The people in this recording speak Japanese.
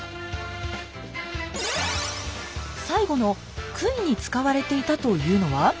最後の杭に使われていたというのは？